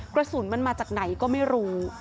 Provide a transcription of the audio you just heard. กระสุนมันมาจากไหนก็ไม่รู้